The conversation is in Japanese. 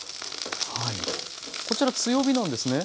こちら強火なんですね？